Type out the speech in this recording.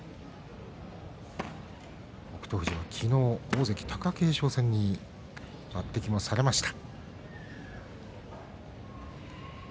富士は昨日、大関貴景勝戦に抜てきされました。